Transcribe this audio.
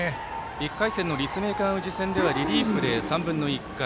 １回戦の立命館宇治戦ではリリーフで、３分の１回。